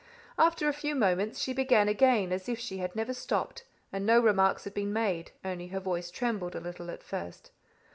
After a few moments she began again as if she had never stopped and no remarks had been made, only her voice trembled a little at first.